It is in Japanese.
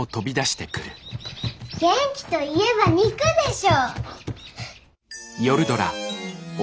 元気といえば肉でしょ！